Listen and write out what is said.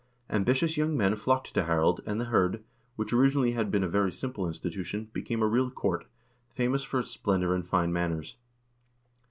Ambitious young men flocked to Harald, and the hird, which originally had been a very simple institution, became a real court, famous for its splendor and fine manners.